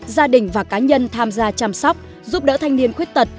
gia đình và cá nhân tham gia chăm sóc giúp đỡ thanh niên khuyết tật